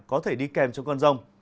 có thể đi kèm cho con rông